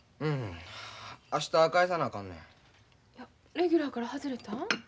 レギュラーから外れたん？